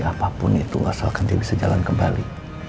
apapun itu asalkan dia bisa jalan kembali